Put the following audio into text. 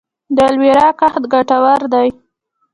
د الوویرا کښت ګټور دی؟